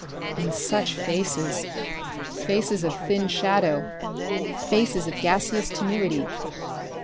And such faces! Faces of thin shadow, faces of gaseous tenuity.